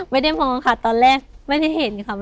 ไม่ได้มองค่ะตอนแรกไม่ได้เห็นค่ะ